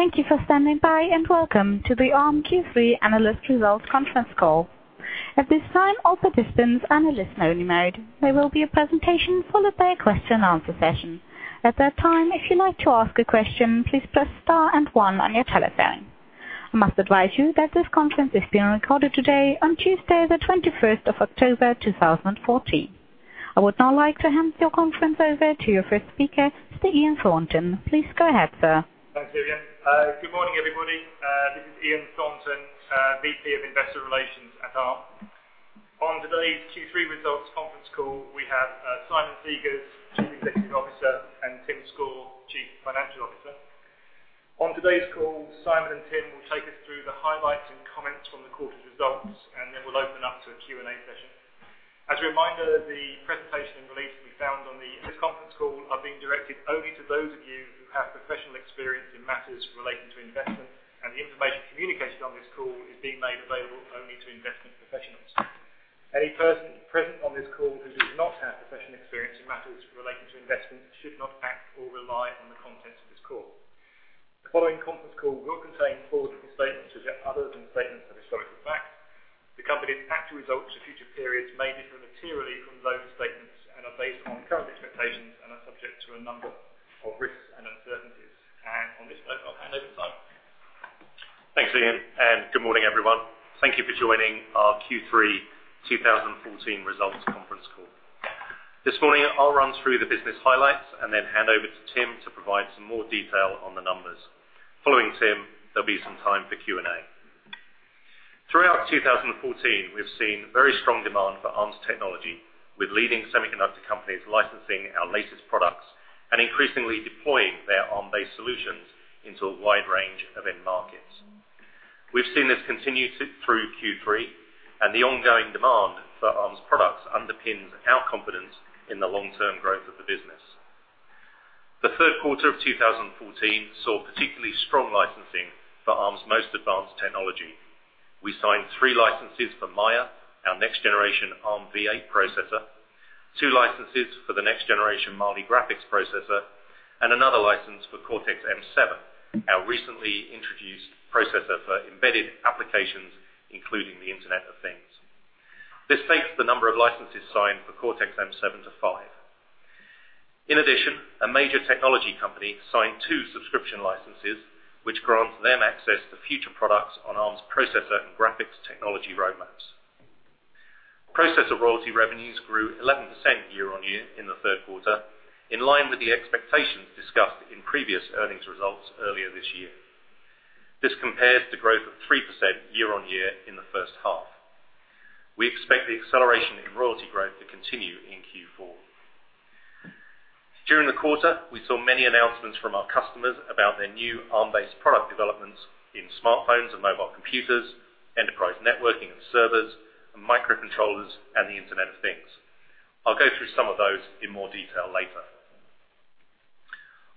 Thank you for standing by, welcome to the Arm Q3 analyst results conference call. At this time, all participants analyst-only mode. There will be a presentation followed by a question and answer session. At that time, if you'd like to ask a question, please press star and one on your telephone. I must advise you that this conference is being recorded today on Tuesday, the 21st of October, 2014. I would now like to hand your conference over to your first speaker, Mr. Ian Thornton. Please go ahead, sir. Thanks, Vivian. Good morning, everybody. This is Ian Thornton, VP of Investor Relations at Arm. On today's Q3 results conference call, we have Simon Segars, Chief Executive Officer, and Tim Score, Chief Financial Officer. On today's call, Simon and Tim will take us through the highlights and comments from the quarter's results, then we'll open up to a Q&A session. As a reminder, the presentation release can be found. This conference call is being directed only to those of you who have professional experience in matters relating to investment, the information communicated on this call is being made available only to investment professionals. Any person present on this call who does not have professional experience in matters relating to investment should not act or rely on the contents of this call. The following conference call will contain forward-looking statements other than statements of historical facts. The company's actual results for future periods may differ materially from those statements and are based on current expectations and are subject to a number of risks and uncertainties. On this note, I'll hand over to Simon. Thanks, Ian, good morning, everyone. Thank you for joining our Q3 2014 results conference call. This morning, I'll run through the business highlights, then hand over to Tim to provide some more detail on the numbers. Following Tim, there'll be some time for Q&A. Throughout 2014, we've seen very strong demand for Arm's technology, with leading semiconductor companies licensing our latest products and increasingly deploying their Arm-based solutions into a wide range of end markets. We've seen this continue through Q3, the ongoing demand for Arm's products underpins our confidence in the long-term growth of the business. The third quarter of 2014 saw particularly strong licensing for Arm's most advanced technology. We signed three licenses for Maya, our next generation Armv8 processor, two licenses for the next generation Mali graphics processor, and another license for Cortex-M7, our recently introduced processor for embedded applications, including the Internet of Things. This takes the number of licenses signed for Cortex-M7 to five. In addition, a major technology company signed two subscription licenses, which grants them access to future products on Arm's processor and graphics technology roadmaps. Processor royalty revenues grew 11% year-on-year in the third quarter, in line with the expectations discussed in previous earnings results earlier this year. This compares to growth of 3% year-on-year in the first half. We expect the acceleration in royalty growth to continue in Q4. During the quarter, we saw many announcements from our customers about their new Arm-based product developments in smartphones and mobile computers, enterprise networking and servers, microcontrollers, and the Internet of Things. I'll go through some of those in more detail later.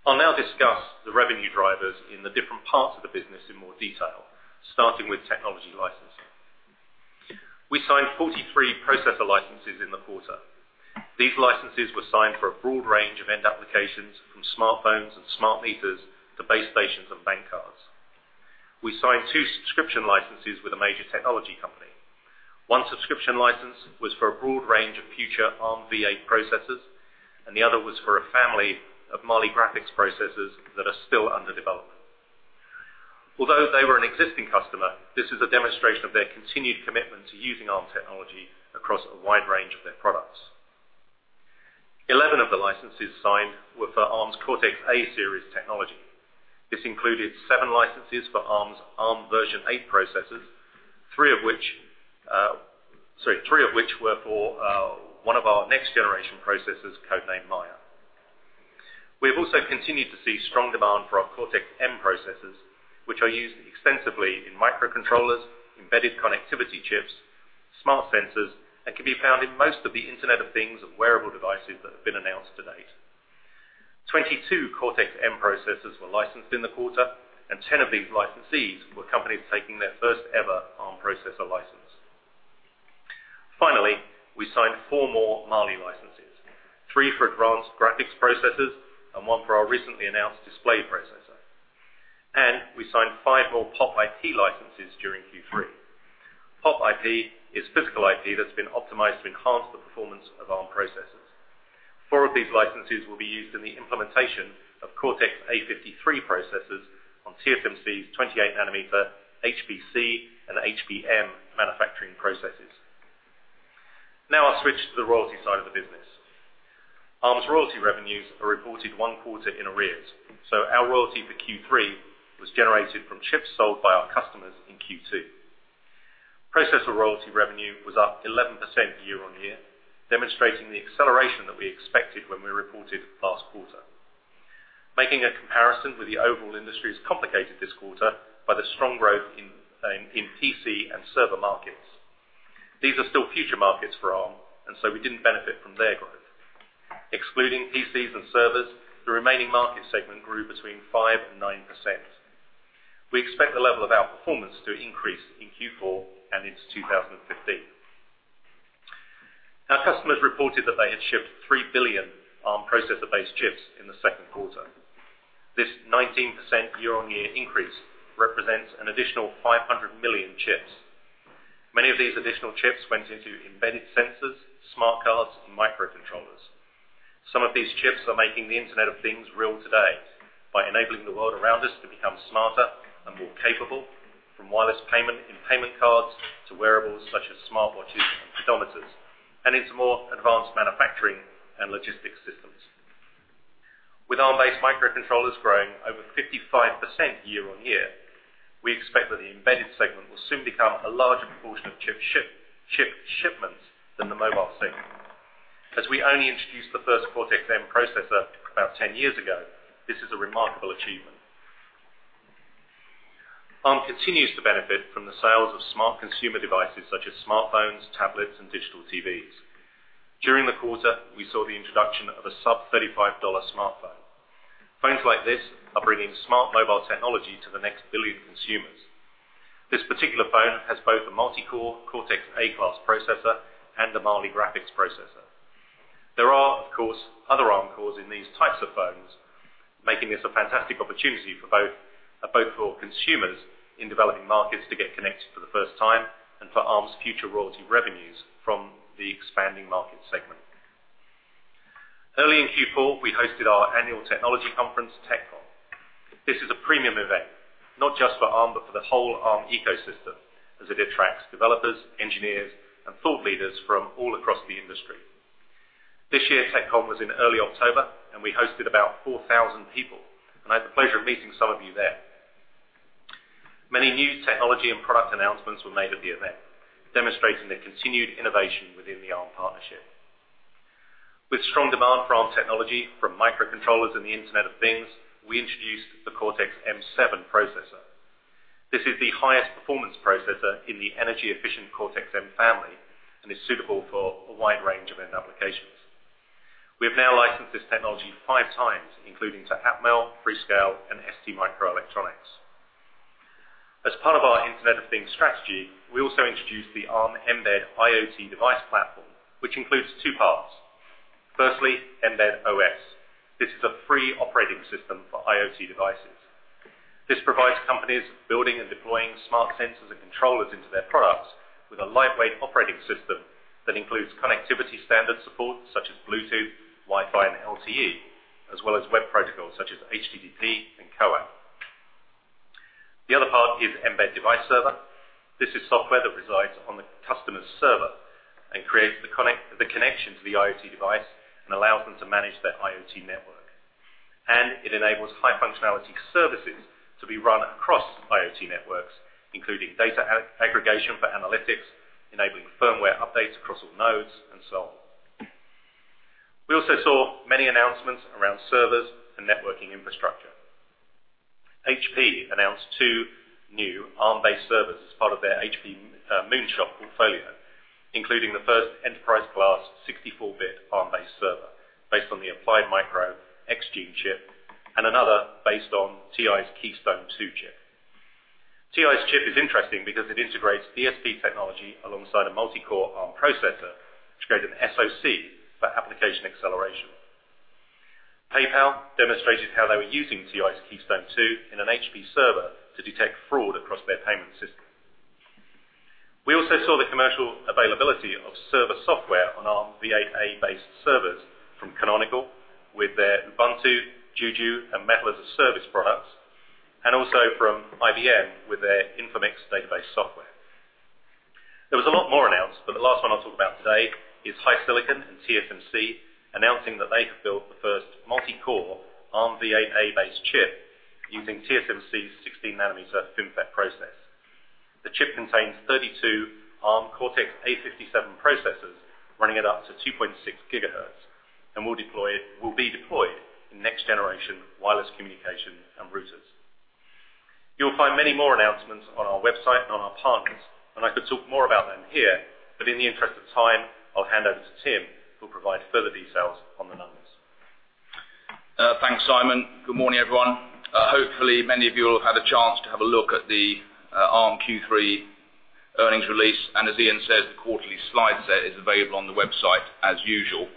I'll now discuss the revenue drivers in the different parts of the business in more detail, starting with technology licensing. We signed 43 processor licenses in the quarter. These licenses were signed for a broad range of end applications from smartphones and smart meters to base stations and bank cards. We signed two subscription licenses with a major technology company. One subscription license was for a broad range of future Armv8 processors, and the other was for a family of Mali graphics processors that are still under development. Although they were an existing customer, this is a demonstration of their continued commitment to using Arm technology across a wide range of their products. 11 of the licenses signed were for Arm's Cortex-A series technology. This included seven licenses for Arm's Arm Version 8 processors, three of which were for one of our next generation processors, codenamed Maya. We have also continued to see strong demand for our Cortex-M processors, which are used extensively in microcontrollers, embedded connectivity chips, smart sensors, and can be found in most of the Internet of Things and wearable devices that have been announced to date. 22 Cortex-M processors were licensed in the quarter, and 10 of these licensees were companies taking their first ever Arm processor license. Finally, we signed four more Mali licenses, three for advanced graphics processors and one for our recently announced display processor. We signed five more POP IP licenses during Q3. POP IP is physical IP that's been optimized to enhance the performance of Arm processors. Four of these licenses will be used in the implementation of Cortex-A53 processors on TSMC's 28 nanometer HPC and HBM manufacturing processes. Now I'll switch to the royalty side of the business. Arm's royalty revenues are reported one quarter in arrears. So our royalty for Q3 was generated from chips sold by our customers in Q2. Processor royalty revenue was up 11% year-on-year, demonstrating the acceleration that we expected when we reported last quarter. Making a comparison with the overall industry is complicated this quarter by the strong growth in PC and server markets. These are still future markets for Arm, and so we didn't benefit from their growth. Excluding PCs and servers, the remaining market segment grew between 5% and 9%. We expect the level of outperformance to increase in Q4 and into 2015. Our customers reported that they had shipped 3 billion Arm processor-based chips in the second quarter. This 19% year-on-year increase represents an additional 500 million chips. Many of these additional chips went into embedded sensors, smart cards, and microcontrollers. Some of these chips are making the Internet of Things real today by enabling the world around us to become smarter and more capable, from wireless payment in payment cards to wearables such as smartwatches and pedometers, and into more advanced manufacturing and logistics systems. With Arm-based microcontrollers growing over 55% year-on-year, we expect that the embedded segment will soon become a larger proportion of chip shipments than the mobile segment. As we only introduced the first Cortex-M processor about 10 years ago, this is a remarkable achievement. Arm continues to benefit from the sales of smart consumer devices such as smartphones, tablets, and digital TVs. During the quarter, we saw the introduction of a sub-GBP 35 smartphone. Phones like this are bringing smart mobile technology to the next billion consumers. This particular phone has both a multi-core Cortex A-class processor and a Mali graphics processor. There are, of course, other Arm cores in these types of phones, making this a fantastic opportunity for both consumers in developing markets to get connected for the first time and for Arm's future royalty revenues from the expanding market segment. Early in Q4, we hosted our annual technology conference, TechCon. This is a premium event not just for Arm but for the whole Arm ecosystem, as it attracts developers, engineers, and thought leaders from all across the industry. This year, TechCon was in early October, and we hosted about 4,000 people. I had the pleasure of meeting some of you there. Many new technology and product announcements were made at the event, demonstrating the continued innovation within the Arm partnership. With strong demand for Arm technology from microcontrollers in the Internet of Things, we introduced the Cortex-M7 processor. This is the highest performance processor in the energy-efficient Cortex-M family and is suitable for a wide range of end applications. We have now licensed this technology five times, including to Atmel, Freescale, and STMicroelectronics. As part of our Internet of Things strategy, we also introduced the Arm mbed IoT device platform, which includes two parts. Firstly, mbed OS. This is a free operating system for IoT devices. This provides companies building and deploying smart sensors and controllers into their products with a lightweight operating system that includes connectivity standard support such as Bluetooth, Wi-Fi, and LTE, as well as web protocols such as HTTP and CoAP. The other part is mbed Device Server. This is software that resides on the customer's server and creates the connection to the IoT device and allows them to manage their IoT network. It enables high functionality services to be run across IoT networks, including data aggregation for analytics, enabling firmware updates across all nodes, and so on. We also saw many announcements around servers and networking infrastructure. HP announced two new Arm-based servers as part of their HP Moonshot portfolio, including the first enterprise-class 64-bit Arm-based server based on the Applied Micro X-Gene chip and another based on TI's Keystone two chip. TI's chip is interesting because it integrates DSP technology alongside a multi-core Arm processor to create an SoC for application acceleration. PayPal demonstrated how they were using TI's Keystone 2 in an HP server to detect fraud across their payment system. We also saw the commercial availability of server software on Armv8-based servers from Canonical with their Ubuntu, Juju, and Metal as a Service products, and also from IBM with their Informix database software. There was a lot more announced, the last one I'll talk about today is HiSilicon and TSMC announcing that they have built the first multi-core Armv8-based chip using TSMC's 16-nanometer FinFET process. The chip contains 32 Arm Cortex-A57 processors running at up to 2.6 gigahertz and will be deployed in next generation wireless communication and routers. You will find many more announcements on our website and on our partners. I could talk more about them here, in the interest of time, I'll hand over to Tim, who will provide further details on the numbers. Thanks, Simon. Good morning, everyone. Hopefully, many of you will have had a chance to have a look at the Arm Q3 earnings release. As Ian said, the quarterly slide set is available on the website as usual.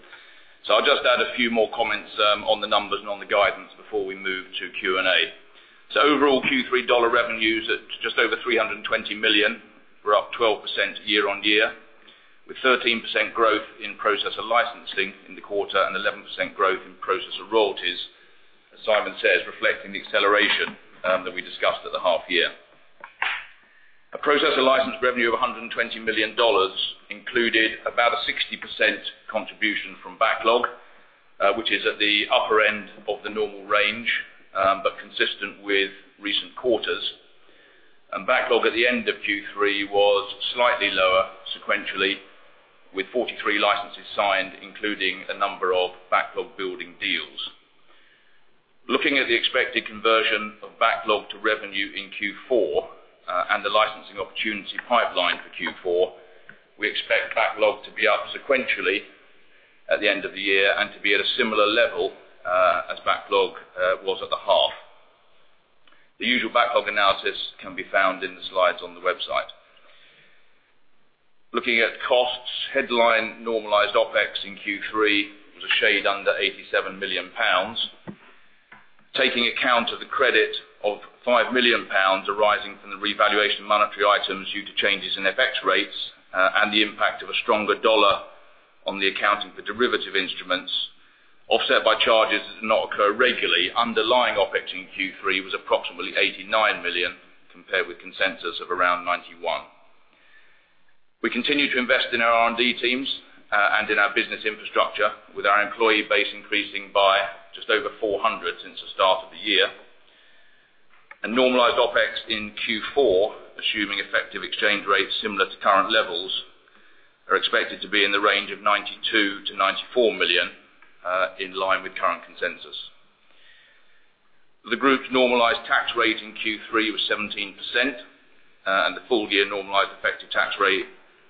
I'll just add a few more comments on the numbers and on the guidance before we move to Q&A. Overall, Q3 dollar revenues at just over $320 million were up 12% year-on-year, with 13% growth in processor licensing in the quarter and 11% growth in processor royalties. As Simon says, reflecting the acceleration that we discussed at the half year. A processor license revenue of $120 million included about a 60% contribution from backlog, which is at the upper end of the normal range, consistent with recent quarters. Backlog at the end of Q3 was slightly lower sequentially, with 43 licenses signed, including a number of backlog building deals. Looking at the expected conversion of backlog to revenue in Q4 and the licensing opportunity pipeline for Q4, we expect backlog to be up sequentially at the end of the year and to be at a similar level as backlog was at the half. The usual backlog analysis can be found in the slides on the website. Looking at costs, headline normalized OpEX in Q3 was a shade under 87 million pounds. Taking account of the credit of 5 million pounds arising from the revaluation of monetary items due to changes in FX rates and the impact of a stronger dollar on the accounting for derivative instruments offset by charges that do not occur regularly. Underlying OpEx in Q3 was approximately 89 million compared with consensus of around 91 million. We continue to invest in our R&D teams and in our business infrastructure, with our employee base increasing by just over 400 since the start of the year. Normalized OPEX in Q4, assuming effective exchange rates similar to current levels, are expected to be in the range of 92 million-94 million, in line with current consensus. The group's normalized tax rate in Q3 was 17%, and the full-year normalized effective tax rate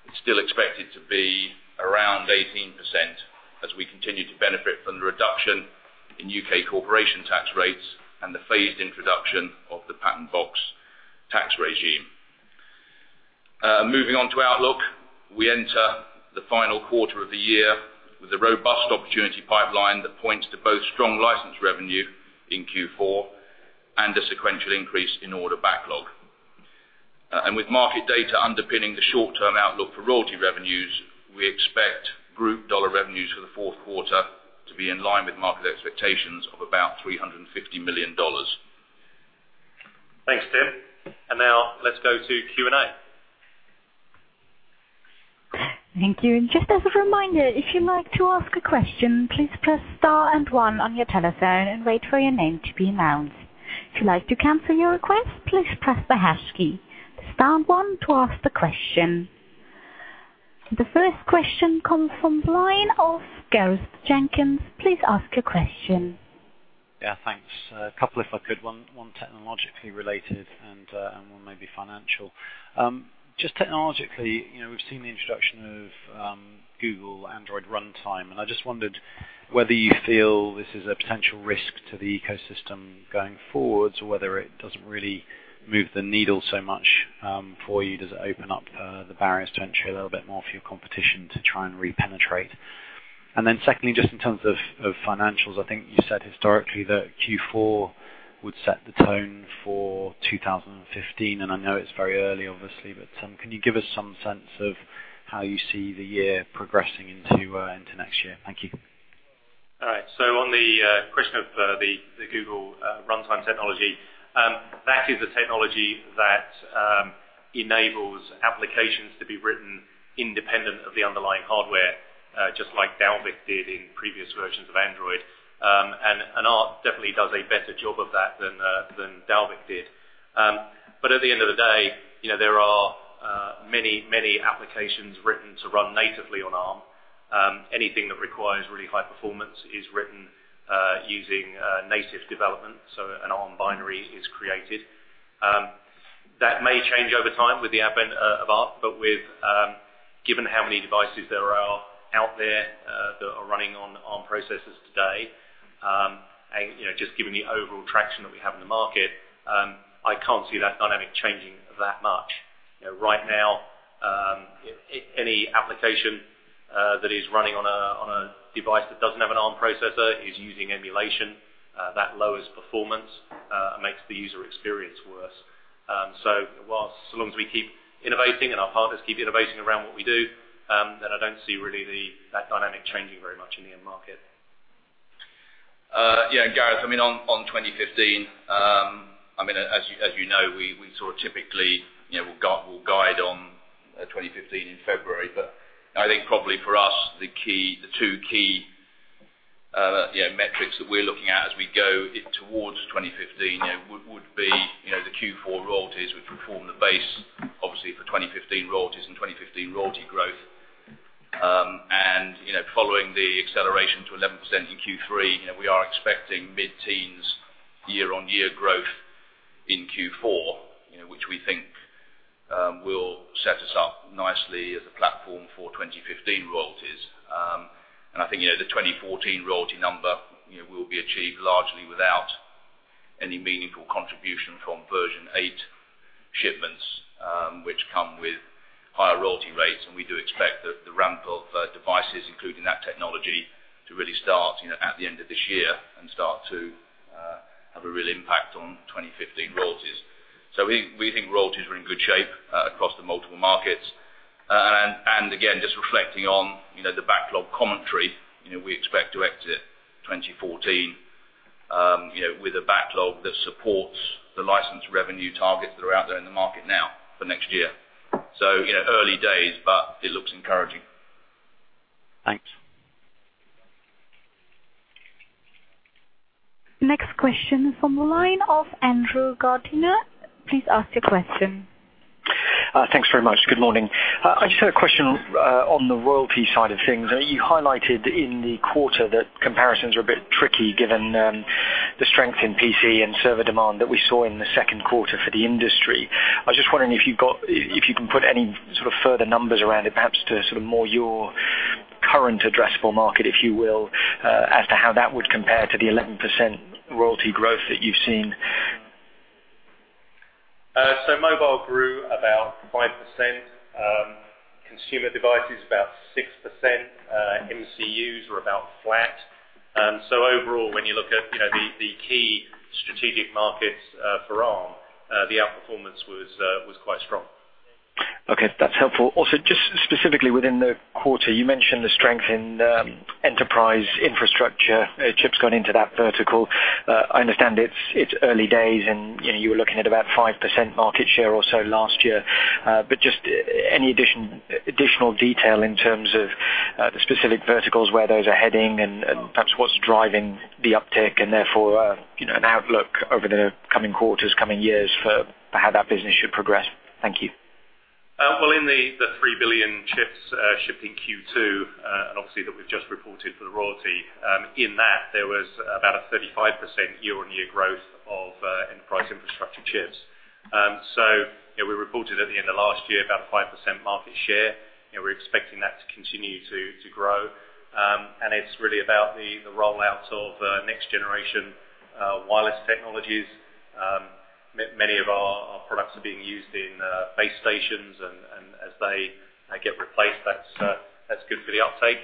is still expected to be around 18% as we continue to benefit from the reduction in U.K. corporation tax rates and the phased introduction of the Patent Box tax regime. Moving on to outlook. We enter the final quarter of the year with a robust opportunity pipeline that points to both strong license revenue in Q4 and a sequential increase in order backlog. With market data underpinning the short-term outlook for royalty revenues, we expect group dollar revenues for the fourth quarter to be in line with market expectations of about $350 million. Thanks, Tim. Now let's go to Q&A. Thank you. Just as a reminder, if you'd like to ask a question, please press star and one on your telephone and wait for your name to be announced. If you'd like to cancel your request, please press the hash key. Star one to ask the question. The first question comes from the line of Gareth Jenkins. Please ask your question. Yeah, thanks. A couple if I could. One technologically related and one maybe financial. Just technologically, we've seen the introduction of Google Android Runtime. I just wondered whether you feel this is a potential risk to the ecosystem going forwards or whether it doesn't really move the needle so much for you. Does it open up the barriers to entry a little bit more for your competition to try and re-penetrate? Then secondly, just in terms of financials, I think you said historically that Q4 would set the tone for 2015. I know it's very early obviously, but can you give us some sense of how you see the year progressing into next year? Thank you. All right. On the question of the Google Android Runtime, that is a technology that enables applications to be written independent of the underlying hardware just like Dalvik did in previous versions of Android. ART definitely does a better job of that than Dalvik did. At the end of the day, there are many applications written to run natively on Arm. Anything that requires really high performance is written using native development, so an Arm binary is created. That may change over time with the advent of ART. Given how many devices there are out there that are running on Arm processors today, and just given the overall traction that we have in the market, I can't see that dynamic changing that much. Right now any application that is running on a device that doesn't have an Arm processor is using emulation. That lowers performance and makes the user experience worse. As long as we keep innovating and our partners keep innovating around what we do, then I don't see really that dynamic changing very much in the end market. Yeah, Gareth, on 2015, as you know, we sort of typically will guide on 2015 in February. I think probably for us the two key metrics that we're looking at as we go towards 2015 would be the Q4 royalties which will form the base obviously for 2015 royalties and 2015 royalty growth. Following the acceleration to 11% in Q3, we are expecting mid-teens year-over-year growth in Q4 which we think will set us up nicely as a platform for 2015 royalties. I think the 2014 royalty number will be achieved largely without any meaningful contribution from Armv8 shipments which come with higher royalty rates. We do expect that the ramp of devices including that technology to really start at the end of this year and start to have a real impact on 2015 royalties. We think royalties are in good shape across the multiple markets. Again, just reflecting on the backlog commentary, we expect to exit 2014 with a backlog that supports the license revenue targets that are out there in the market now for next year. Early days, but it looks encouraging. Thanks. Next question from the line of Andrew Gardiner, please ask your question. Thanks very much. Good morning. I just had a question on the royalty side of things. You highlighted in the quarter that comparisons are a bit tricky given the strength in PC and server demand that we saw in the second quarter for the industry. I was just wondering if you can put any sort of further numbers around it perhaps to sort of more your current addressable market, if you will, as to how that would compare to the 11% royalty growth that you've seen. Mobile grew about 5%, consumer devices about 6%, MCUs were about flat. Overall, when you look at the key strategic markets for Arm, the outperformance was quite strong. Okay. That's helpful. Also, just specifically within the quarter, you mentioned the strength in enterprise infrastructure, chips going into that vertical. I understand it's early days and you were looking at about 5% market share or so last year. Just any additional detail in terms of the specific verticals where those are heading and perhaps what's driving the uptick and therefore an outlook over the coming quarters, coming years for how that business should progress. Thank you. In the 3 billion chips shipped in Q2, and obviously that we've just reported for the royalty. In that, there was about a 35% year-on-year growth of enterprise infrastructure chips. We reported at the end of last year about a 5% market share. We're expecting that to continue to grow. It's really about the rollout of next generation wireless technologies. Many of our products are being used in base stations, and as they get replaced, that's good for the uptake.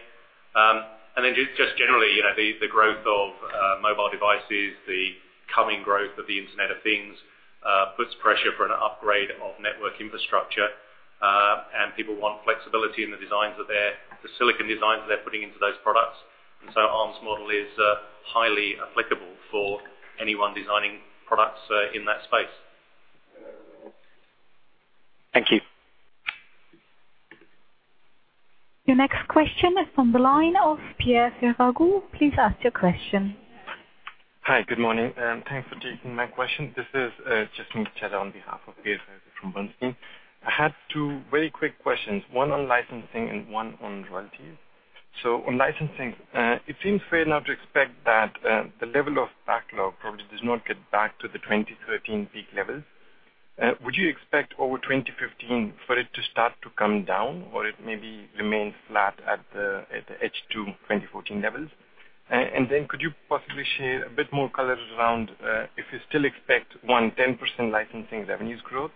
Then just generally, the growth of mobile devices, the coming growth of the Internet of Things, puts pressure for an upgrade of network infrastructure. People want flexibility in the silicon designs that they're putting into those products. Arm's model is highly applicable for anyone designing products in that space. Thank you. Your next question is from the line of Pierre Ferragu. Please ask your question. Hi, good morning, thanks for taking my question. This is Justin Funess on behalf of Pierre Ferragu from Bernstein. I had two very quick questions, one on licensing and one on royalties. On licensing, it seems fair now to expect that the level of backlog probably does not get back to the 2013 peak levels. Would you expect over 2015 for it to start to come down, or it maybe remain flat at the H2 2014 levels? Then could you possibly share a bit more color around if you still expect 10% licensing revenues growth,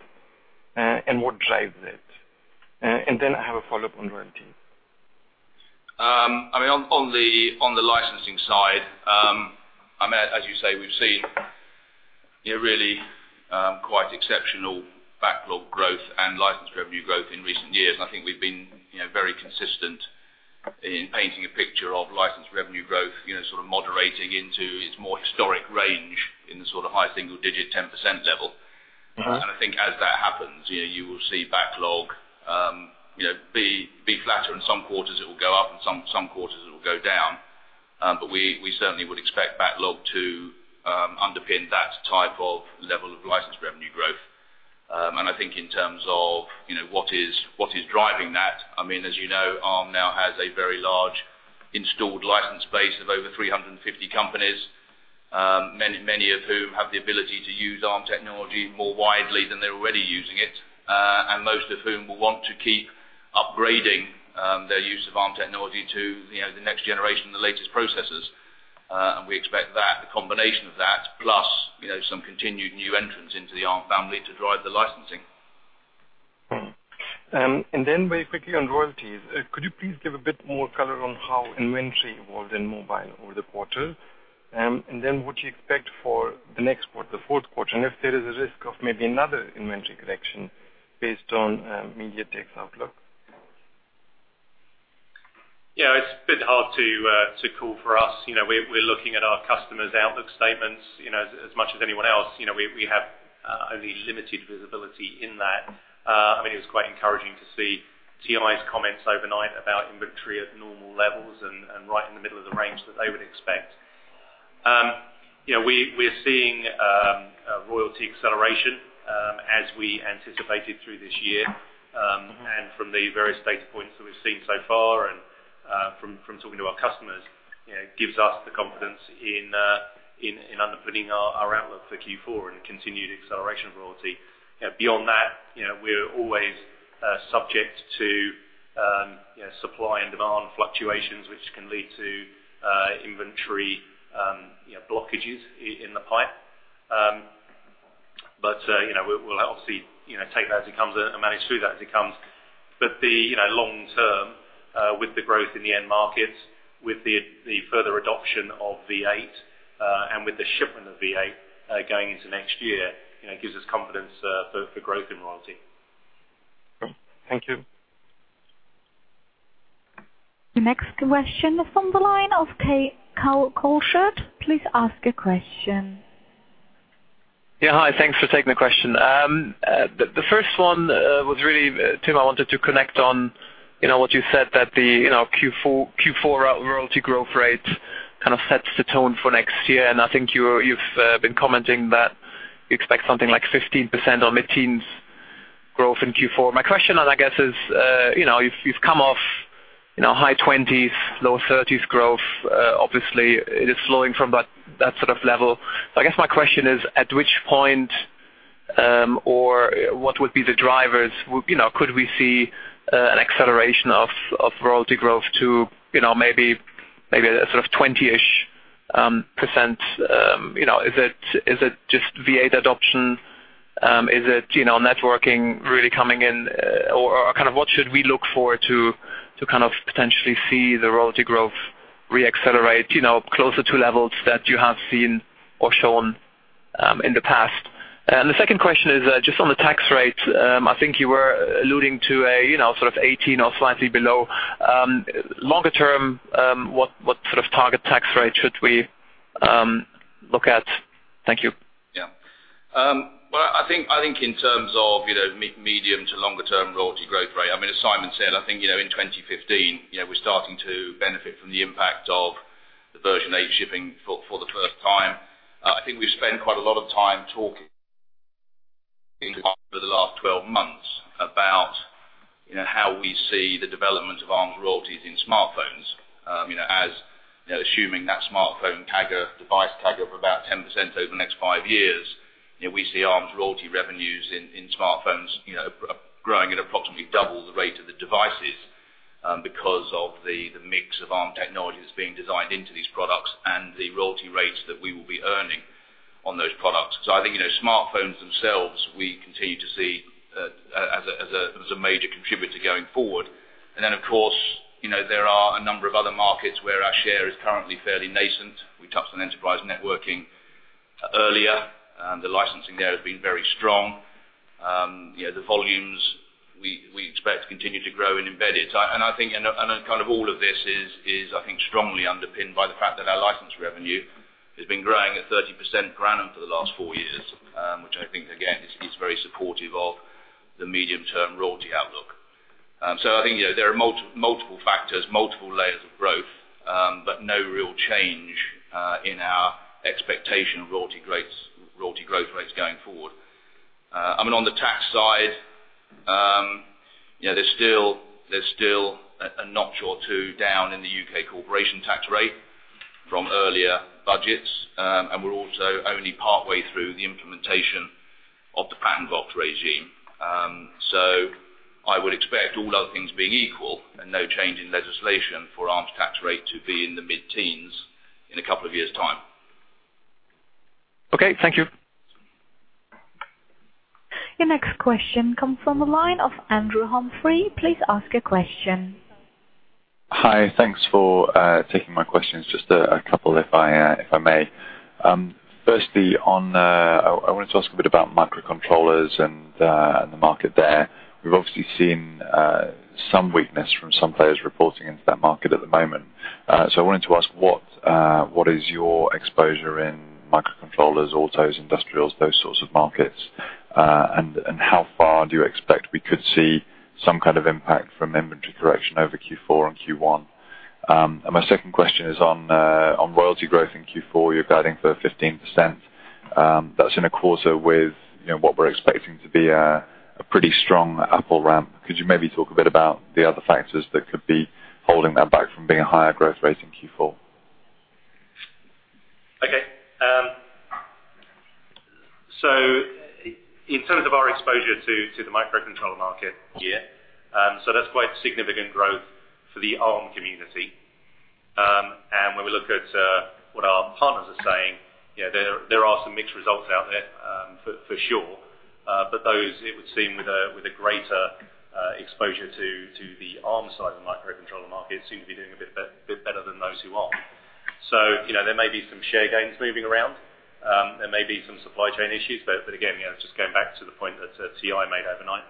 and what drives it? Then I have a follow-up on royalties. On the licensing side, as you say, we've seen really quite exceptional backlog growth and license revenue growth in recent years. I think we've been very consistent in painting a picture of license revenue growth sort of moderating into its more historic range in the sort of high single-digit, 10% level. I think as that happens, you will see backlog be flatter. In some quarters it will go up and some quarters it will go down. We certainly would expect backlog to underpin that type of level of license revenue growth. I think in terms of what is driving that, as you know, Arm now has a very large installed license base of over 350 companies. Many of whom have the ability to use Arm technology more widely than they're already using it. Most of whom will want to keep upgrading their use of Arm technology to the next generation, the latest processors. We expect the combination of that plus some continued new entrants into the Arm family to drive the licensing. Very quickly on royalties, could you please give a bit more color on how inventory evolved in mobile over the quarter? What you expect for the next quarter, fourth quarter, and if there is a risk of maybe another inventory correction based on MediaTek's outlook. It's a bit hard to call for us. We're looking at our customers' outlook statements as much as anyone else. We have only limited visibility in that. It was quite encouraging to see TSMC's comments overnight about inventory at normal levels and right in the middle of the range that they would expect. We're seeing a royalty acceleration as we anticipated through this year. From the various data points that we've seen so far and from talking to our customers, it gives us the confidence in underpinning our outlook for Q4 and continued acceleration of royalty. Beyond that, we are always subject to supply and demand fluctuations which can lead to inventory blockages in the pipe. We'll obviously take that as it comes and manage through that as it comes. The long term with the growth in the end markets, with the further adoption of v8 and with the shipment of v8 going into next year, it gives us confidence for growth in royalty. Okay. Thank you. Your next question is from the line of Kai Korschelt. Please ask a question. Hi. Thanks for taking the question. The first one was really, Tim, I wanted to connect on what you said that the Q4 royalty growth rate kind of sets the tone for next year, I think you've been commenting that you expect something like 15% or mid-teens growth in Q4. My question then I guess is, you've come off high 20s, low 30s growth. Obviously, it is slowing from that sort of level. I guess my question is, at which point? What would be the drivers? Could we see an acceleration of royalty growth to maybe sort of 20-ish%? Is it just v8 adoption? Is it networking really coming in? What should we look for to potentially see the royalty growth re-accelerate closer to levels that you have seen or shown in the past? The second question is just on the tax rate. I think you were alluding to a sort of 18 or slightly below. Longer term, what sort of target tax rate should we look at? Thank you. Well, I think in terms of medium to longer term royalty growth rate, as Simon said, I think in 2015, we're starting to benefit from the impact of the version eight shipping for the first time. I think we've spent quite a lot of time talking over the last 12 months about how we see the development of Arm royalties in smartphones. Assuming that smartphone device tag of about 10% over the next five years, we see Arm's royalty revenues in smartphones growing at approximately double the rate of the devices because of the mix of Arm technology that's being designed into these products and the royalty rates that we will be earning on those products. I think smartphones themselves, we continue to see as a major contributor going forward. Then, of course, there are a number of other markets where our share is currently fairly nascent. We touched on enterprise networking earlier. The licensing there has been very strong. The volumes we expect to continue to grow in embedded. I think all of this is strongly underpinned by the fact that our license revenue has been growing at 30% per annum for the last four years, which I think, again, is very supportive of the medium-term royalty outlook. I think there are multiple factors, multiple layers of growth, but no real change in our expectation of royalty growth rates going forward. On the tax side, there's still a notch or two down in the U.K. corporation tax rate from earlier budgets. We're also only partway through the implementation of the Patent Box regime. I would expect, all other things being equal and no change in legislation, for Arm's tax rate to be in the mid-teens in a couple of years' time. Okay. Thank you. Your next question comes from the line of Andrew Humphrey. Please ask your question. Hi. Thanks for taking my questions. Just a couple if I may. Firstly, I wanted to ask a bit about microcontrollers and the market there. We've obviously seen some weakness from some players reporting into that market at the moment. I wanted to ask, what is your exposure in microcontrollers, autos, industrials, those sorts of markets? How far do you expect we could see some kind of impact from inventory correction over Q4 and Q1? My second question is on royalty growth in Q4. You're guiding for 15%. That's in a quarter with what we're expecting to be a pretty strong Apple ramp. Could you maybe talk a bit about the other factors that could be holding that back from being a higher growth rate in Q4? Okay. In terms of our exposure to the microcontroller market, yeah. That's quite significant growth for the Arm community. When we look at what our partners are saying, there are some mixed results out there for sure. But those, it would seem, with a greater exposure to the Arm side of the microcontroller market seem to be doing a bit better than those who aren't. There may be some share gains moving around. There may be some supply chain issues. But again, just going back to the point that TI made overnight,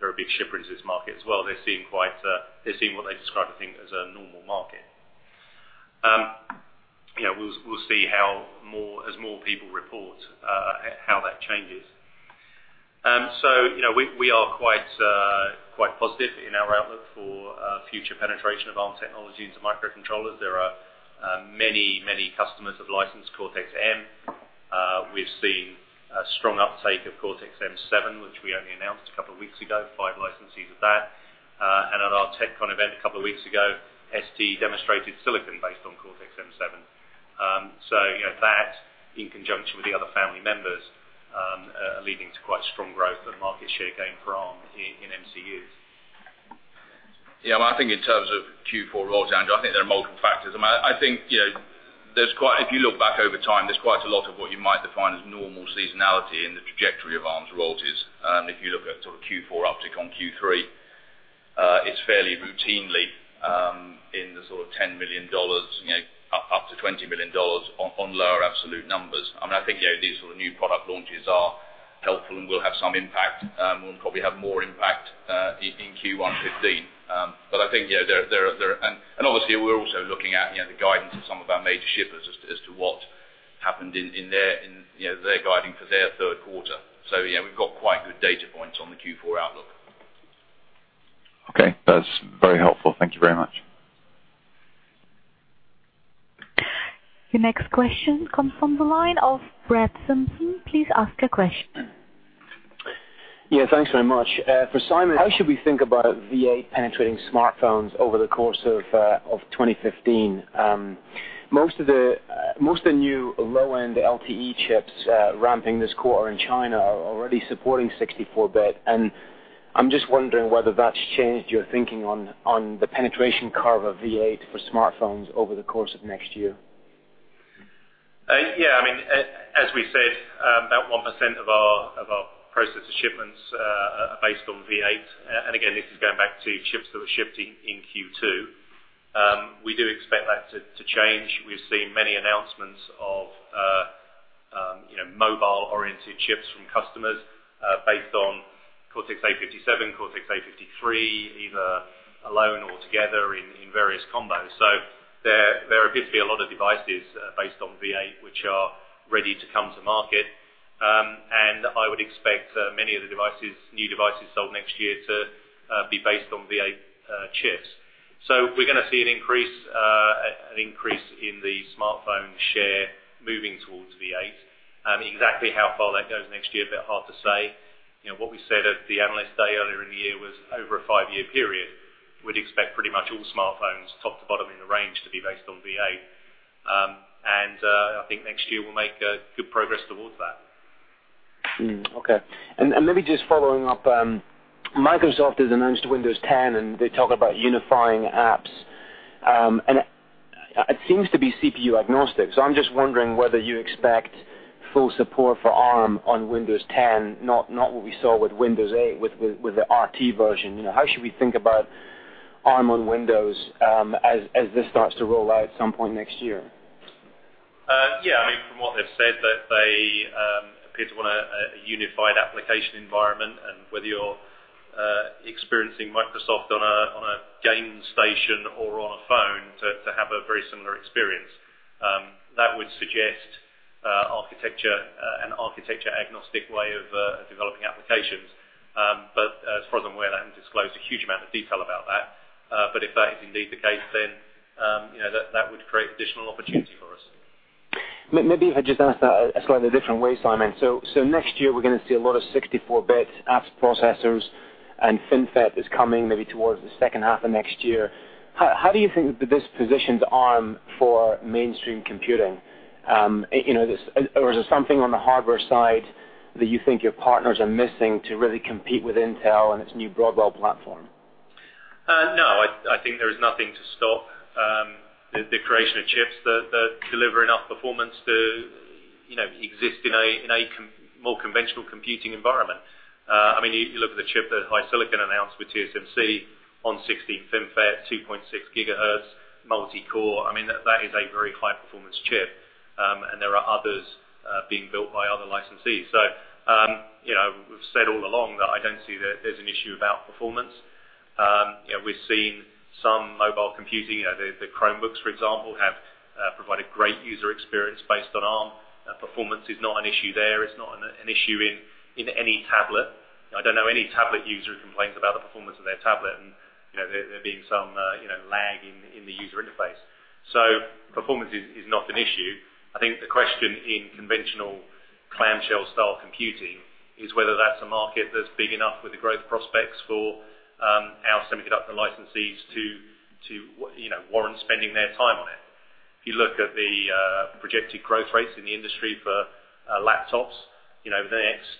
they're a big shipper in this market as well, they're seeing what they describe as a normal market. We'll see as more people report how that changes. We are quite positive in our outlook for future penetration of Arm technology into microcontrollers. There are many customers that have licensed Cortex-M. We've seen a strong uptake of Cortex-M7, which we only announced a couple of weeks ago, five licensees of that. At our TechCon event a couple of weeks ago, ST demonstrated silicon based on Cortex-M7. That, in conjunction with the other family members, are leading to quite strong growth and market share gain for Arm in MCUs. Yeah. I think in terms of Q4 royalty, Andrew, I think there are multiple factors. If you look back over time, there's quite a lot of what you might define as normal seasonality in the trajectory of Arm's royalties. If you look at Q4 uptick on Q3, it's fairly routinely in the sort of up to GBP 20 million on lower absolute numbers. I think these new product launches are helpful and will have some impact, and will probably have more impact in Q1 2015. Obviously, we're also looking at the guidance of some of our major shippers as to what happened in their guiding for their third quarter. Yeah, we've got quite good data points on the Q4 outlook. Okay. That's very helpful. Thank you very much. Your next question comes from the line of Brett Simpson. Please ask your question. Yeah. Thanks very much. For Simon, how should we think about v8 penetrating smartphones over the course of 2015? Most of the new low-end LTE chips ramping this core in China are already supporting 64-bit. I'm just wondering whether that's changed your thinking on the penetration curve of v8 for smartphones over the course of next year. As we said, about 1% of our processor shipments are based on v8. Again, this is going back to chips that were shipped in Q2. We do expect that to change. We've seen many announcements of mobile-oriented chips from customers based on Cortex-A57, Cortex-A53, either alone or together in various combos. There are obviously a lot of devices based on v8, which are ready to come to market. I would expect many of the new devices sold next year to be based on v8 chips. We're going to see an increase in the smartphone share moving towards v8. Exactly how far that goes next year, a bit hard to say. What we said at the Analyst Day earlier in the year was over a five-year period, we'd expect pretty much all smartphones top to bottom in the range to be based on v8. I think next year will make good progress towards that. Okay. Maybe just following up, Microsoft has announced Windows 10, and they talk about unifying apps. It seems to be CPU agnostic, so I'm just wondering whether you expect full support for Arm on Windows 10, not what we saw with Windows 8, with the RT version. How should we think about Arm on Windows, as this starts to roll out at some point next year? From what they've said, that they appear to want a unified application environment, whether you're experiencing Microsoft on a game station or on a phone to have a very similar experience. That would suggest an architecture-agnostic way of developing applications. As far as I'm aware, they haven't disclosed a huge amount of detail about that. If that is indeed the case, that would create additional opportunity for us. Maybe if I just asked that a slightly different way, Simon. Next year, we're going to see a lot of 64-bit apps processors, and FinFET is coming maybe towards the second half of next year. How do you think this positions Arm for mainstream computing? Or is there something on the hardware side that you think your partners are missing to really compete with Intel and its new Broadwell platform? I think there is nothing to stop the creation of chips that deliver enough performance to exist in a more conventional computing environment. You look at the chip that HiSilicon announced with TSMC on 16 FinFET, 2.6 gigahertz, multi-core. That is a very high performance chip, and there are others being built by other licensees. We've said all along that I don't see that there's an issue about performance. We've seen some mobile computing. The Chromebooks, for example, have provided great user experience based on Arm. Performance is not an issue there. It's not an issue in any tablet. I don't know any tablet user who complains about the performance of their tablet, and there being some lag in the user interface. Performance is not an issue. I think the question in conventional clamshell style computing is whether that's a market that's big enough with the growth prospects for our semiconductor licensees to warrant spending their time on it. If you look at the projected growth rates in the industry for laptops, the next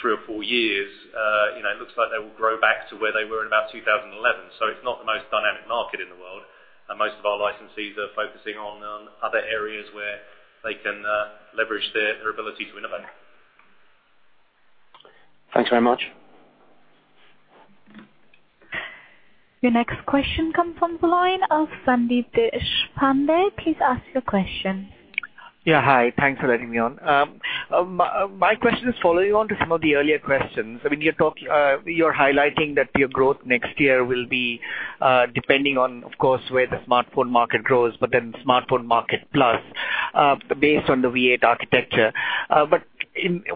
three or four years, it looks like they will grow back to where they were in about 2011. It's not the most dynamic market in the world. Most of our licensees are focusing on other areas where they can leverage their ability to innovate. Thanks very much. Your next question comes from the line of Sandeep Deshpande. Please ask your question. Yeah. Hi. Thanks for letting me on. My question is following on to some of the earlier questions. You're highlighting that your growth next year will be depending on, of course, where the smartphone market grows, smartphone market plus based on the v8 architecture.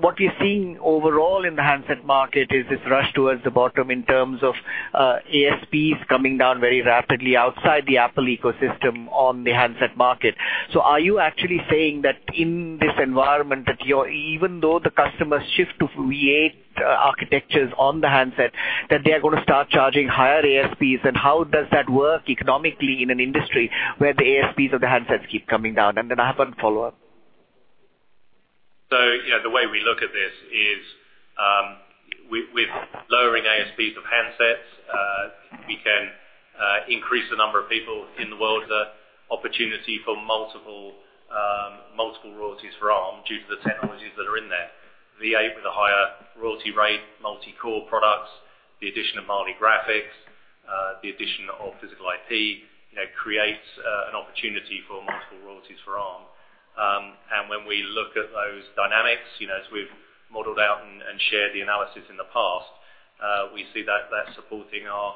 What we're seeing overall in the handset market is this rush towards the bottom in terms of ASPs coming down very rapidly outside the Apple ecosystem on the handset market. Are you actually saying that in this environment, that even though the customers shift to v8 architectures on the handset, that they are going to start charging higher ASPs? How does that work economically in an industry where the ASPs of the handsets keep coming down? I have one follow-up. Yeah, the way we look at this is, with lowering ASPs of handsets, we can increase the number of people in the world. There's an opportunity for multiple royalties for Arm due to the technologies that are in there. v8 with a higher royalty rate, multi-core products, the addition of Mali graphics, the addition of physical IP, creates an opportunity for multiple royalties for Arm. When we look at those dynamics, as we've modeled out and shared the analysis in the past, we see that that's supporting our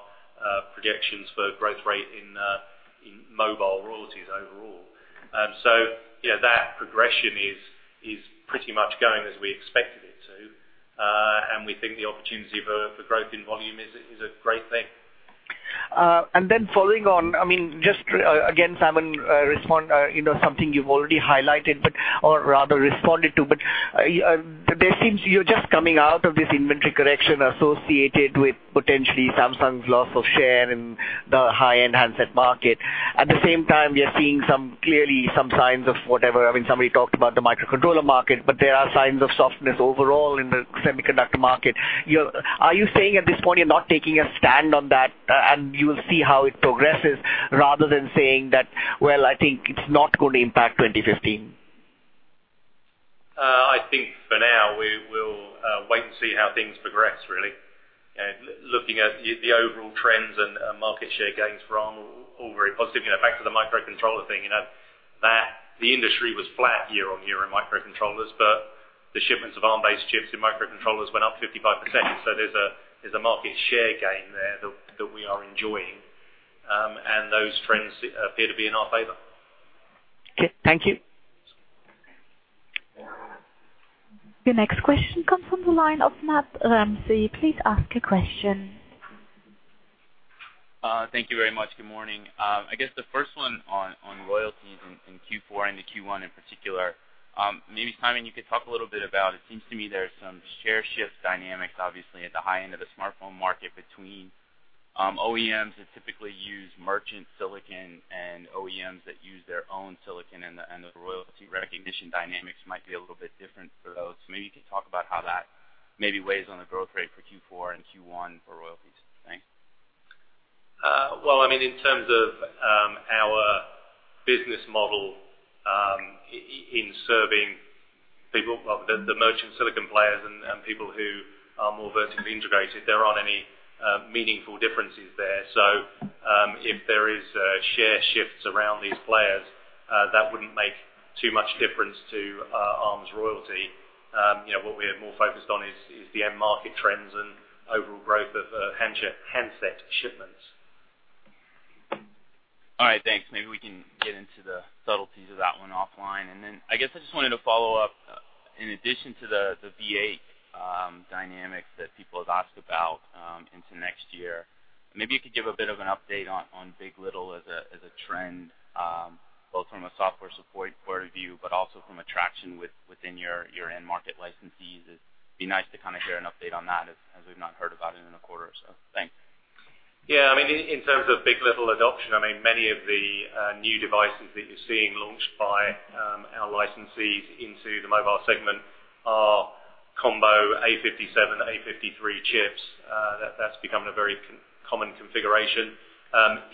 projections for growth rate in mobile royalties overall. That progression is pretty much going as we expected it to. We think the opportunity for growth in volume is a great thing. Following on, just again, Simon, respond something you've already highlighted or rather responded to, there seems you're just coming out of this inventory correction associated with potentially Samsung's loss of share in the high-end handset market. At the same time, we are seeing clearly some signs of whatever. Somebody talked about the microcontroller market, there are signs of softness overall in the semiconductor market. Are you saying at this point you're not taking a stand on that and you'll see how it progresses rather than saying that, "Well, I think it's not going to impact 2015? I think for now we will wait and see how things progress, really. Looking at the overall trends and market share gains for Arm, all very positive. Back to the microcontroller thing, the industry was flat year-on-year in microcontrollers, but the shipments of Arm-based chips in microcontrollers went up 55%. There's a market share gain there that we are enjoying. Those trends appear to be in our favor. Okay, thank you. Your next question comes from the line of Matthew Ramsay. Please ask your question. Thank you very much. Good morning. I guess the first one on royalties in Q4 and the Q1 in particular. Maybe, Simon, you could talk a little bit about, it seems to me there are some share shift dynamics obviously at the high end of the smartphone market between OEMs that typically use merchant silicon and OEMs that use their own silicon, and the royalty recognition dynamics might be a little bit different for those. Maybe you could talk about how that maybe weighs on the growth rate for Q4 and Q1 for royalties. Thanks. In terms of our business model in serving people, well, the merchant silicon players and people who are more vertically integrated, there aren't any meaningful differences there. If there is share shifts around these players, that wouldn't make too much difference to Arm's royalty. What we are more focused on is the end market trends and overall growth of handset shipments. All right. Thanks. Maybe we can get into the subtleties of that one offline. I guess I just wanted to follow up, in addition to the v8 dynamics that people have asked about into next year, maybe you could give a bit of an update on big. LITTLE as a trend, both from a software support point of view, but also from a traction within your end market licensees. It'd be nice to hear an update on that, as we've not heard about it in a quarter or so. Thanks. Yeah, in terms of big. LITTLE adoption, many of the new devices that you're seeing launched by our licensees into the mobile segment are combo A57, A53 chips. That's become a very common configuration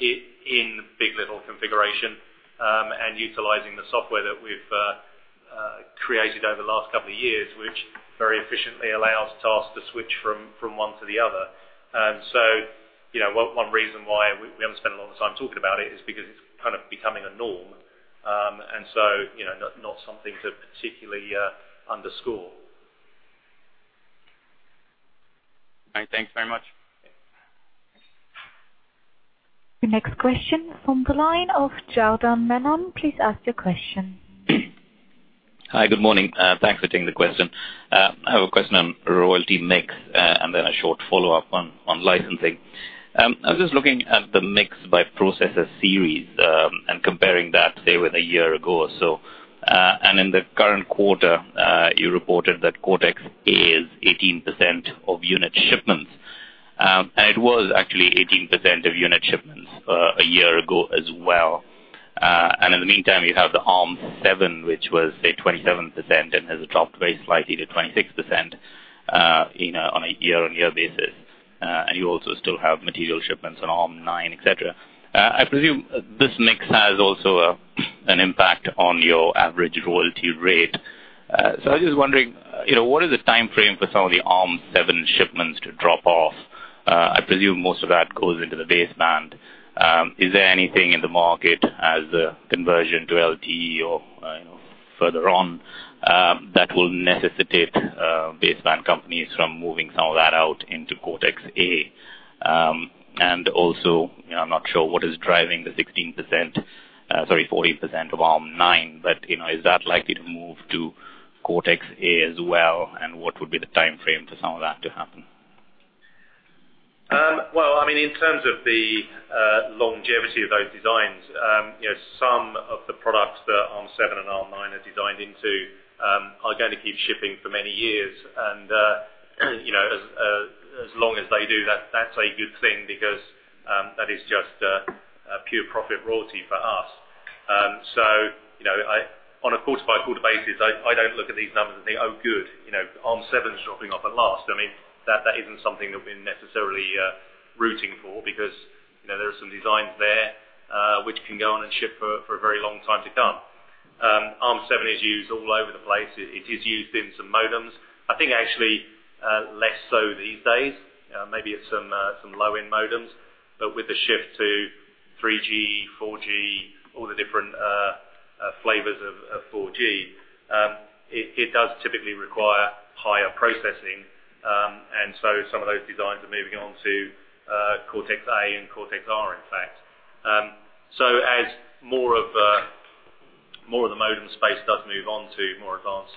in big. LITTLE configuration, and utilizing the software that we've created over the last couple of years, which very efficiently allows tasks to switch from one to the other. One reason why we haven't spent a lot of time talking about it is because it's kind of becoming a norm. Not something to particularly underscore. All right. Thanks very much. The next question from the line of Jordan Menon. Please ask your question. Hi, good morning. Thanks for taking the question. I have a question on royalty mix, then a short follow-up on licensing. I was just looking at the mix by processor series, comparing that, say, with a year ago or so. In the current quarter, you reported that Cortex-A is 18% of unit shipments. It was actually 18% of unit shipments a year ago as well. In the meantime, you have the Arm7, which was, say, 27% and has dropped very slightly to 26%, on a year-on-year basis. You also still have material shipments on Arm9, et cetera. I presume this mix has also an impact on your average royalty rate. I was just wondering, what is the timeframe for some of the Arm7 shipments to drop off? I presume most of that goes into the baseband. Is there anything in the market as a conversion to LTE or further on that will necessitate baseband companies from moving some of that out into Cortex-A? Also, I'm not sure what is driving the 16%, sorry, 14% of Arm9, but is that likely to move to Cortex-A as well? What would be the timeframe for some of that to happen? Well, in terms of the longevity of those designs, some of the products that Arm7 and Arm9 are designed into are going to keep shipping for many years. As long as they do, that's a good thing because that is just a pure profit royalty for us. On a quarter-by-quarter basis, I don't look at these numbers and think, "Oh, good. Arm7's dropping off at last." That isn't something that we're necessarily rooting for because there are some designs there which can go on and ship for a very long time to come. Arm7 is used all over the place. It is used in some modems. I think actually less so these days. Maybe it's some low-end modems. With the shift to 3G, 4G, all the different flavors of 4G, it does typically require higher processing. some of those designs are moving on to Cortex-A and Cortex-R, in fact. More of the modem space does move on to more advanced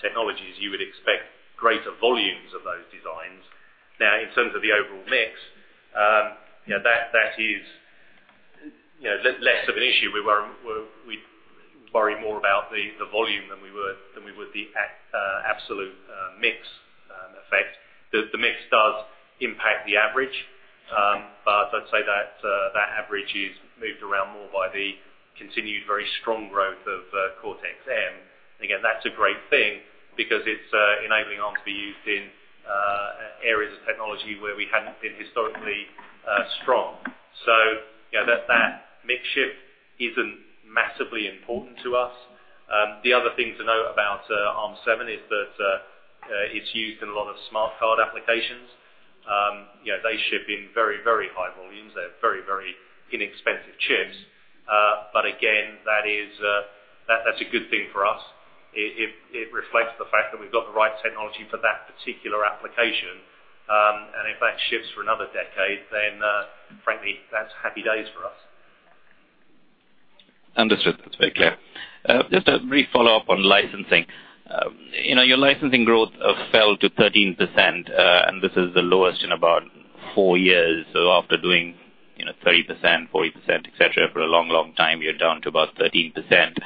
technologies, you would expect greater volumes of those designs. Now, in terms of the overall mix, that is less of an issue. We worry more about the volume than we would the absolute mix effect. The mix does impact the average, but I'd say that average is moved around more by the continued very strong growth of Cortex-M. Again, that's a great thing because it's enabling Arm to be used in areas of technology where we hadn't been historically strong. That mix shift isn't massively important to us. The other thing to note about Arm7 is that it's used in a lot of smart card applications. They ship in very high volumes. They're very inexpensive chips. Again, that's a good thing for us. It reflects the fact that we've got the right technology for that particular application. If that shifts for another decade, then frankly, that's happy days for us. Understood. That's very clear. Just a brief follow-up on licensing. Your licensing growth fell to 13%, and this is the lowest in about four years. After doing 30%, 40%, et cetera, for a long time, you're down to about 13%.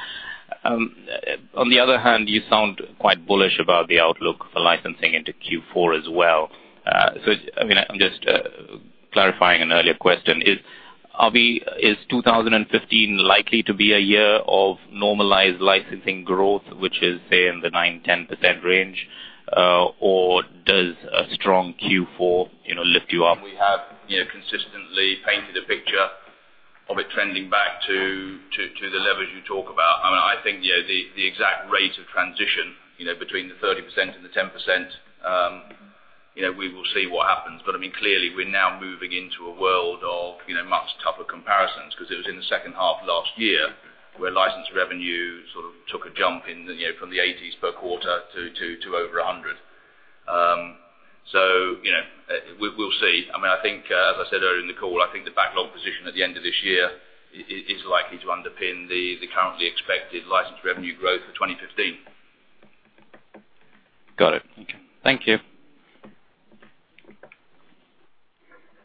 On the other hand, you sound quite bullish about the outlook for licensing into Q4 as well. I'm just clarifying an earlier question. Is 2015 likely to be a year of normalized licensing growth, which is, say, in the nine, 10% range, or does a strong Q4 lift you up? We have consistently painted a picture of it trending back to the levels you talk about. I think the exact rate of transition between the 30% and the 10%, we will see what happens. Clearly we're now moving into a world of much tougher comparisons because it was in the second half of last year where licensed revenue sort of took a jump in from the eighties per quarter to over 100. We'll see. As I said earlier in the call, I think the backlog position at the end of this year is likely to underpin the currently expected licensed revenue growth for 2015. Got it. Okay. Thank you.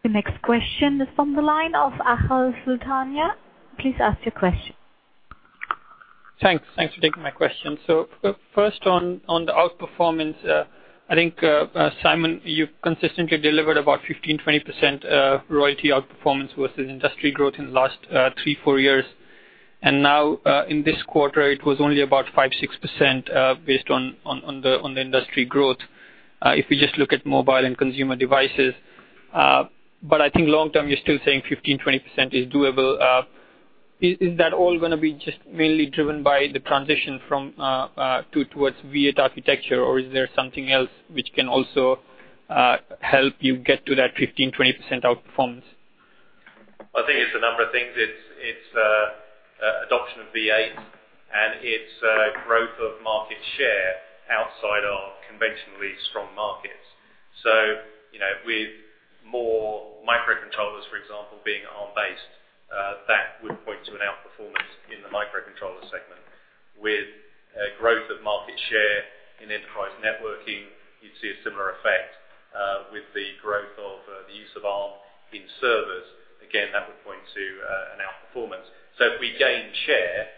The next question is from the line of Achal Sultania. Please ask your question. Thanks for taking my question. First on the outperformance, I think, Simon, you've consistently delivered about 15%-20% royalty outperformance versus industry growth in the last 3-4 years. Now in this quarter it was only about 5%-6% based on the industry growth, if you just look at mobile and consumer devices. I think long term, you're still saying 15%-20% is doable. Is that all going to be just mainly driven by the transition towards v8 architecture or is there something else which can also help you get to that 15%-20% outperformance? I think it's a number of things. It's adoption of v8 and it's growth of market share outside our conventionally strong markets. With more microcontrollers, for example, being Arm-based, that would point to an outperformance in the microcontroller segment. With growth of market share in enterprise networking, you'd see a similar effect with the growth of the use of Arm in servers. Again, that would point to an outperformance. If we gain share,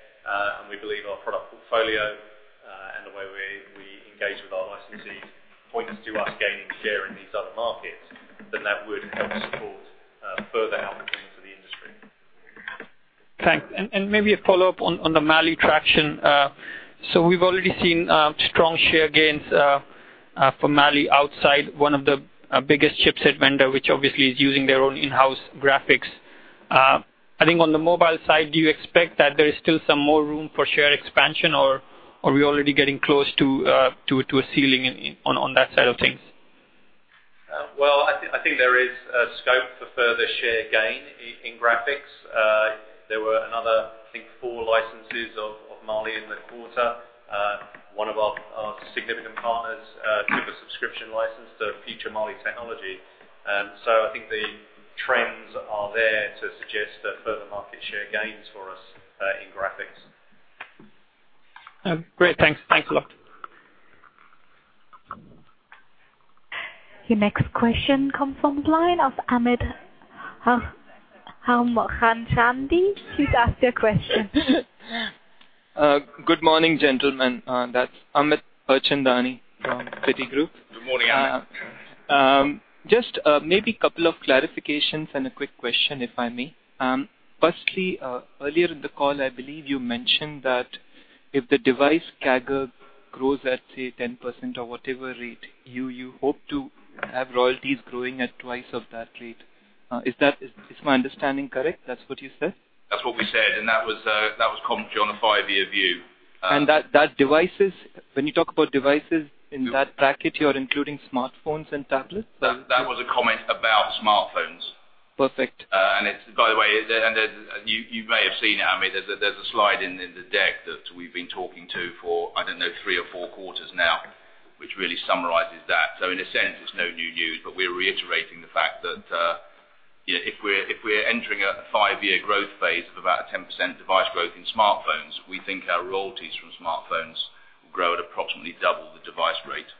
and we believe our product portfolio, and the way we engage with our licensees points to us gaining share in these other markets, then that would help support further outperformance of the industry. Thanks. Maybe a follow-up on the Mali traction. We've already seen strong share gains for Mali outside one of the biggest chipset vendor, which obviously is using their own in-house graphics. I think on the mobile side, do you expect that there is still some more room for share expansion or are we already getting close to a ceiling on that side of things? Well, I think there is scope for further share gain in graphics. There were another, I think, four licenses of Mali in the quarter. One of our significant partners took a subscription license to feature Mali technology. I think the trends are there to suggest further market share gains for us in graphics. Great. Thanks a lot. Your next question comes from the line of Amit Harchandani. Please ask your question. Good morning, gentlemen. That's Amit Harchandani from Citigroup. Good morning, Amit. Just maybe a couple of clarifications and a quick question, if I may. Firstly, earlier in the call, I believe you mentioned that if the device CAGR grows at, say, 10% or whatever rate, you hope to have royalties growing at twice of that rate. Is my understanding correct? That's what you said? That's what we said. That was commentary on a five-year view. That devices, when you talk about devices in that bracket, you are including smartphones and tablets? That was a comment about smartphones. Perfect. By the way, you may have seen it. There's a slide in the deck that we've been talking to for, I don't know, three or four quarters now. Which really summarizes that. In a sense, it's no new news, but we're reiterating the fact that if we're entering a five-year growth phase of about a 10% device growth in smartphones, we think our royalties from smartphones will grow at approximately double the device rate.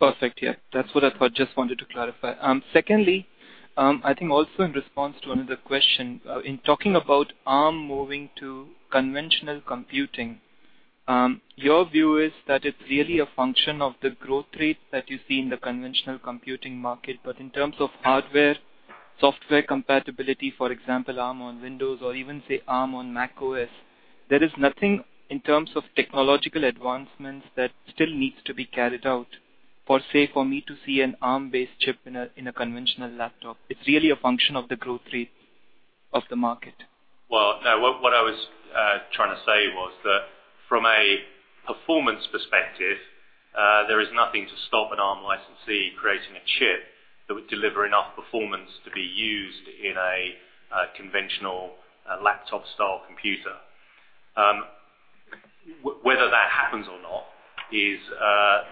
Perfect. Yeah. That's what I just wanted to clarify. Secondly, I think also in response to another question, in talking about Arm moving to conventional computing, your view is that it's really a function of the growth rate that you see in the conventional computing market, but in terms of hardware, software compatibility, for example, Arm on Windows or even say Arm on Mac OS, there is nothing in terms of technological advancements that still needs to be carried out, for say, for me to see an Arm-based chip in a conventional laptop. It's really a function of the growth rate of the market. Well, no, what I was trying to say was that from a performance perspective, there is nothing to stop an Arm licensee creating a chip that would deliver enough performance to be used in a conventional laptop style computer. Whether that happens or not is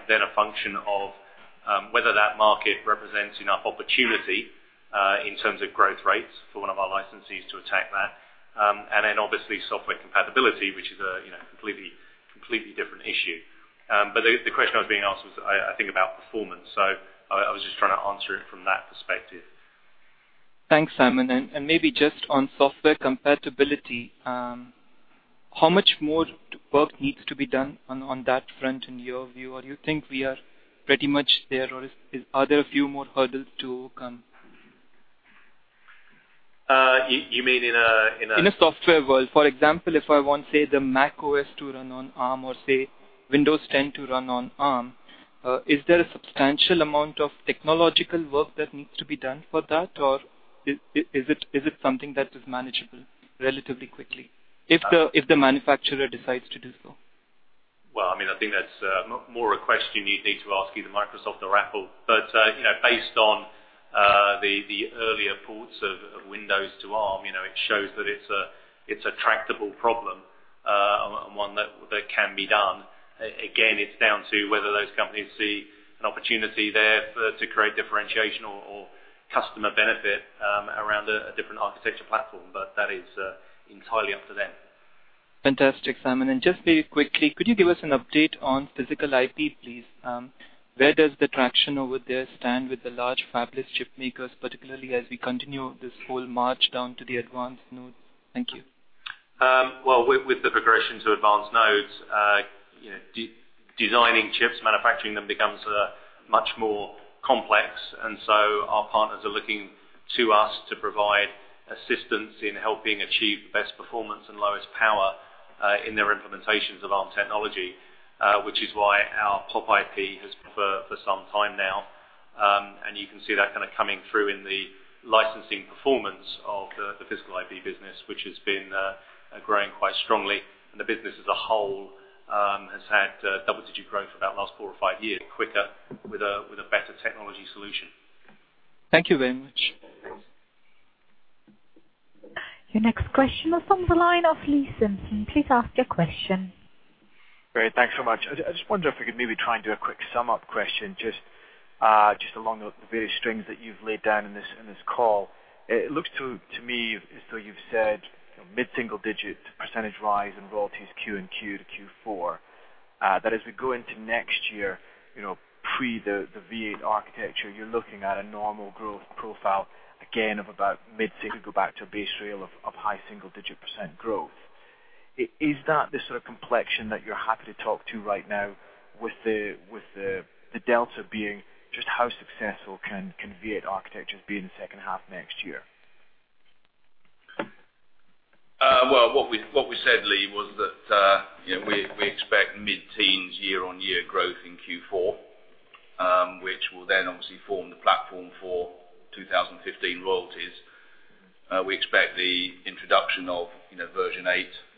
then a function of whether that market represents enough opportunity in terms of growth rates for one of our licensees to attack that. Obviously software compatibility, which is a completely different issue. The question I was being asked was, I think about performance. I was just trying to answer it from that perspective. Thanks, Simon. Maybe just on software compatibility, how much more work needs to be done on that front in your view? You think we are pretty much there, or are there a few more hurdles to come? You mean in a- In a software world, for example, if I want, say, the Mac OS to run on Arm or say Windows 10 to run on Arm, is there a substantial amount of technological work that needs to be done for that? Is it something that is manageable relatively quickly if the manufacturer decides to do so? I think that's more a question you need to ask either Microsoft or Apple. Based on the earlier ports of Windows to Arm, it shows that it's a tractable problem and one that can be done. It's down to whether those companies see an opportunity there to create differentiation or customer benefit around a different architecture platform. That is entirely up to them. Fantastic, Simon. Just very quickly, could you give us an update on physical IP, please? Where does the traction over there stand with the large fabless chip makers, particularly as we continue this whole march down to the advanced node? Thank you. With the progression to advanced nodes, designing chips, manufacturing them becomes much more complex, our partners are looking to us to provide assistance in helping achieve the best performance and lowest power in their implementations of Arm technology, which is why our POP IP has preferred for some time now. You can see that kind of coming through in the licensing performance of the physical IP business, which has been growing quite strongly, the business as a whole has had double-digit growth for about the last four or five years quicker with a better technology solution. Thank you very much. Your next question was from the line of Lee Simpson. Please ask your question. Great. Thanks so much. I just wonder if we could maybe try and do a quick sum up question, just along the various strings that you've laid down in this call. It looks to me as though you've said mid-single digit % rise in royalties Q and Q to Q4. That as we go into next year, pre the V8 architecture, you're looking at a normal growth profile again of about mid, say if we go back to a base rail of high single digit % growth. Is that the sort of complexion that you're happy to talk to right now with the delta being just how successful can V8 architectures be in the second half next year? Well, what we said, Lee, was that we expect mid-teens year-on-year growth in Q4, which will then obviously form the platform for 2015 royalties. We expect the introduction of version eight to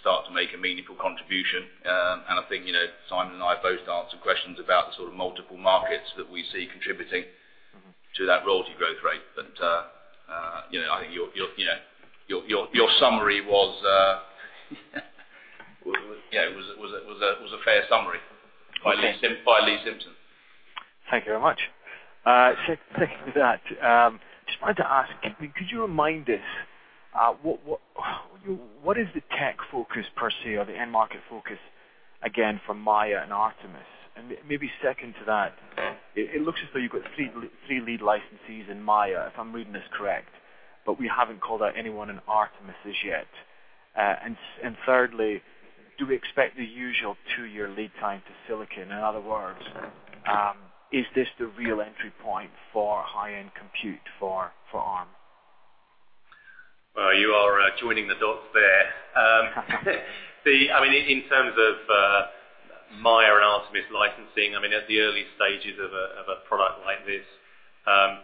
start to make a meaningful contribution. I think Simon and I both answered questions about the sort of multiple markets that we see contributing to that royalty growth rate. I think your summary was yeah, it was a fair summary by Lee Simpson. Thank you very much. Second to that, just wanted to ask, could you remind us what is the tech focus per se or the end market focus again from Maya and Artemis? Maybe second to that, it looks as though you've got three lead licensees in Maya, if I'm reading this correct. We haven't called out anyone in Artemis as yet. Thirdly, do we expect the usual two-year lead time to silicon? In other words, is this the real entry point for high-end compute for Arm? Well, you are joining the dots there. In terms of Maya and Artemis licensing, at the early stages of a product like this I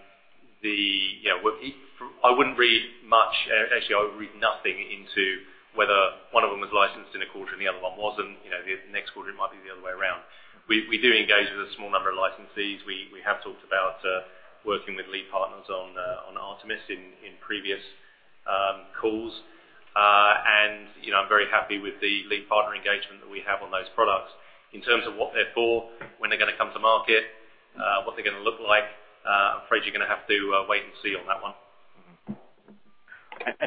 wouldn't read much, actually I would read nothing into whether one of them was licensed in a quarter and the other one wasn't. The next quarter, it might be the other way around. We do engage with a small number of licensees. We have talked about working with lead partners on Artemis in previous calls. I'm very happy with the lead partner engagement that we have on those products. In terms of what they're for, when they're going to come to market, what they're going to look like, I'm afraid you're going to have to wait and see on that one.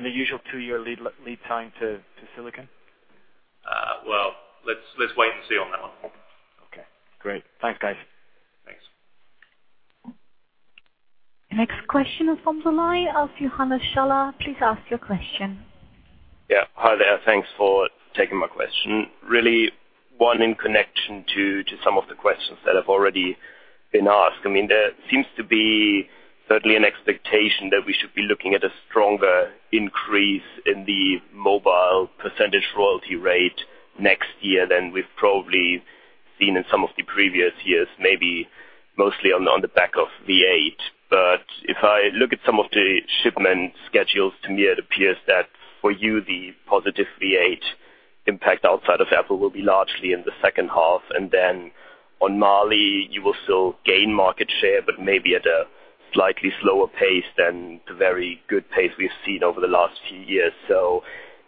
The usual two-year lead time to silicon? Well, let's wait and see on that one. Okay, great. Thanks, guys. Thanks. Next question comes from the line of Johannes Schaller. Please ask your question. Yeah. Hi there. Thanks for taking my question. Really one in connection to some of the questions that have already been asked. There seems to be certainly an expectation that we should be looking at a stronger increase in the mobile percentage royalty rate next year than we've probably seen in some of the previous years, maybe mostly on the back of v8. If I look at some of the shipment schedules, to me it appears that for you, the positive v8 impact outside of Apple will be largely in the second half. Then on Mali, you will still gain market share, but maybe at a slightly slower pace than the very good pace we've seen over the last few years.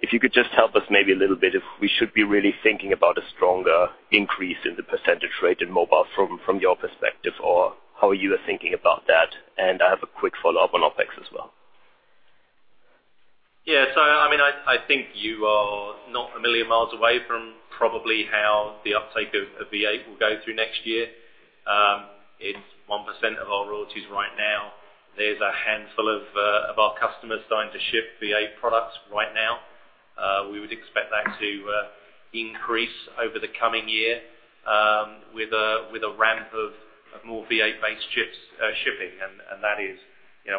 If you could just help us maybe a little bit, if we should be really thinking about a stronger increase in the percentage rate in mobile from your perspective, or how you are thinking about that. I have a quick follow-up on OPEX as well. Yeah. I think you are not a million miles away from probably how the uptake of v8 will go through next year. It's 1% of our royalties right now. There's a handful of our customers starting to ship v8 products right now. We would expect that to increase over the coming year with a ramp of more v8 based chips shipping. That is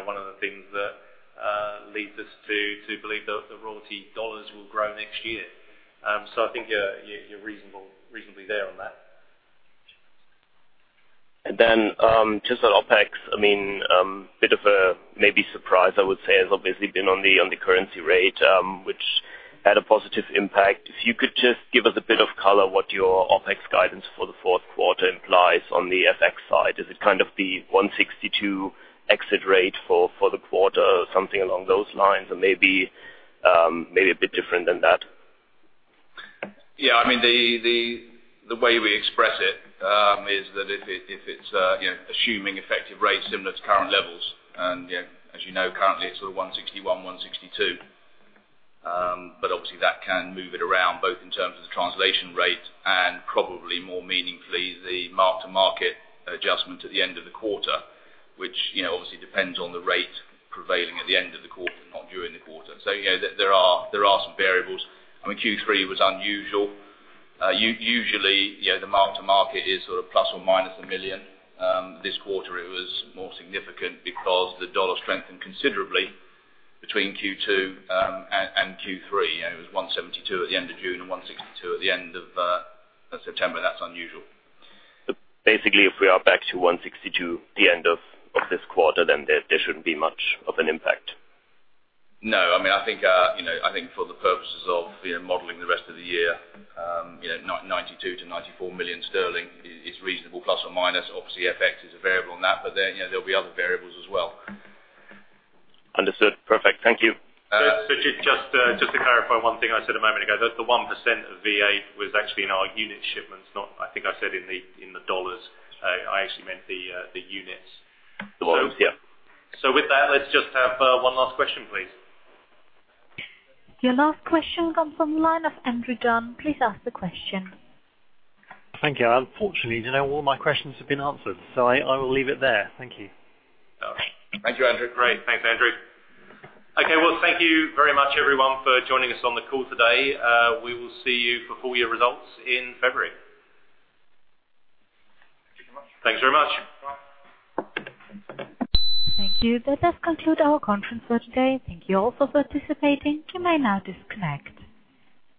one of the things that leads us to believe that the royalty dollars will grow next year. I think you're reasonably there on that. On OpEx, a bit of a maybe surprise, I would say, has obviously been on the currency rate, which had a positive impact. If you could just give us a bit of color what your OpEx guidance for the fourth quarter implies on the FX side. Is it kind of the 162 exit rate for the quarter or something along those lines, or maybe a bit different than that? Yeah. The way we express it is that if it's assuming effective rates similar to current levels, and as you know, currently it's sort of 161, 162. Obviously that can move it around both in terms of the translation rate and probably more meaningfully, the mark-to-market adjustment at the end of the quarter, which obviously depends on the rate prevailing at the end of the quarter, not during the quarter. There are some variables. Q3 was unusual. Usually, the mark-to-market is ± 1 million. This quarter it was more significant because the U.S. dollar strengthened considerably between Q2 and Q3. It was 172 at the end of June and 162 at the end of September. That's unusual. Basically, if we are back to 162 at the end of this quarter, there shouldn't be much of an impact. No. I think for the purposes of modeling the rest of the year, 92 million-94 million sterling is reasonable, ±. Obviously, FX is a variable on that, there'll be other variables as well. Understood. Perfect. Thank you. Just to clarify one thing I said a moment ago, the 1% of v8 was actually in our unit shipments, not I think I said in the dollars. I actually meant the units. The volumes. Yeah. With that, let's just have one last question, please. Your last question comes from the line of Andrew Dunn. Please ask the question. Thank you. Unfortunately, all my questions have been answered, so I will leave it there. Thank you. Thank you, Andrew. Great. Thanks, Andrew. Okay. Well, thank you very much, everyone, for joining us on the call today. We will see you for full year results in February. Thank you very much. Thank you. That does conclude our conference for today. Thank you all for participating. You may now disconnect.